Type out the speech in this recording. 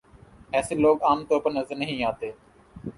ایسے لوگ عام طور پر نظر نہیں آتے ۔